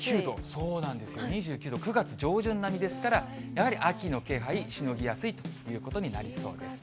そうなんですよ、２９度、９月上旬並みですから、やはり秋の気配、しのぎやすいということになりそうです。